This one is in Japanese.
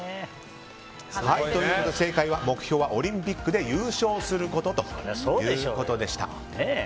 正解は目標はオリンピックで優勝することということでした。